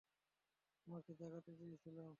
তোমাকে জাগাতে চেয়েছিলাম!